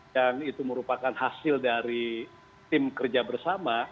itu merupakan hasil dari tim kerja bersama